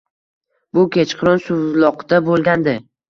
Bu kechqurun suvloqda bo`lgandi